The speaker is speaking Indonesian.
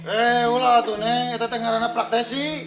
eh ulah tuh neng itu tengah rana praktesi